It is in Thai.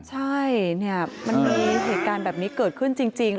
ใช่มันมีเหตุการณ์แบบนี้เกิดขึ้นจริง